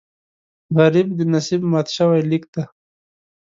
غریب د نصیب مات شوی لیک دی